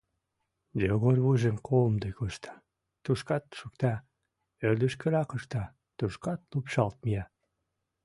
Йогор вуйжым комдык ышта — тушкат шукта, ӧрдыжкырак ышта — тушкат лупшалт мия.